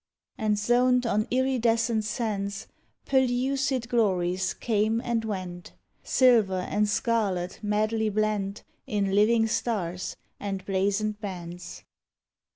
And zoned on iridescent sands, Pellucid glories came and went — Silver and scarlet madly blent In living stars and blazoned bands.